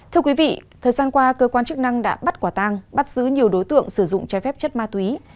thưa quý vị thời gian qua cơ quan chức năng đã bắt quả tăng bắt giữ nhiều đối tượng sử dụng trái phép chất ma túy